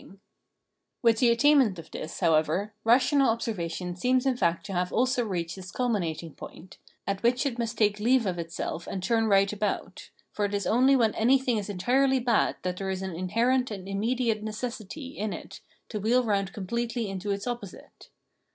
330 Phenomenology of Mind With the attainment of this, however, rational observation seems in fact to have also reached its culminating point, at which it must take leave of itself and turn right about ; for it is only when anything is entirely bad that there is an inherent and immediate necessity in it to wheel round completely into its opposite.